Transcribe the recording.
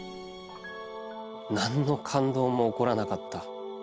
「何の感動も起らなかった。